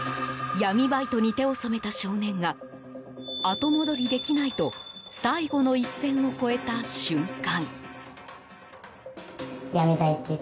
闇バイトに手を染めた少年が後戻りできないと最後の一線を越えた瞬間。